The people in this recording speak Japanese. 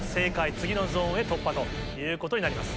次のゾーンへ突破ということになります。